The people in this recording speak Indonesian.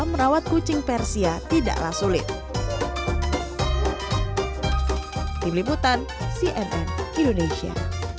merawat kucing persia tidaklah sulit tim liputan cnn indonesia